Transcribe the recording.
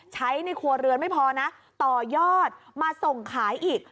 ในครัวเรือนไม่พอนะต่อยอดมาส่งขายอีก